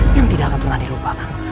yang tidak akan pernah dilupakan